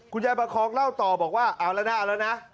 คุณยายประคองเล่าต่อบอกว่าเอาละนะเอาละนะ